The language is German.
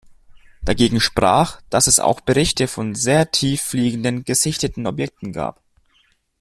Dagegen sprach, dass es auch Berichte von sehr tief fliegenden gesichteten Objekten gab.